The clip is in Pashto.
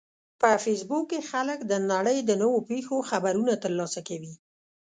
په فېسبوک کې خلک د نړۍ د نوو پیښو خبرونه ترلاسه کوي